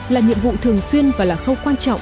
là nhiệm vụ thường xuyên và là khâu quan trọng